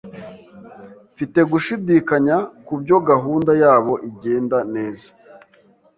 Mfite gushidikanya kubyo gahunda yabo igenda neza.